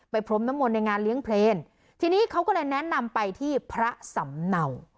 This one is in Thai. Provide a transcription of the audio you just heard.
พรมน้ำมนต์ในงานเลี้ยงเพลงทีนี้เขาก็เลยแนะนำไปที่พระสำเนา